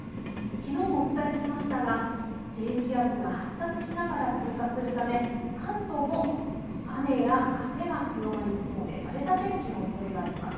きのうもお伝えしましたが低気圧が発達しながら通過するため関東も雨や風が強まりそうで荒れた天気のおそれがあります。